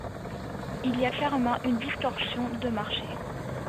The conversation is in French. Il y a clairement une distorsion de marché.